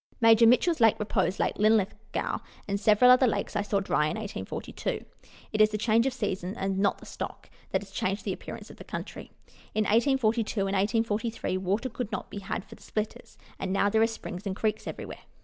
Major Mitchell's Lake Repose, Lake Linlithgow, and several other lakes I saw dry in 1842. It is the change of seasons, and not the stock, that has changed the appearance of the country. In 1842 and 1843 water could not be had for the splitters, and now there are springs and creeks everywhere.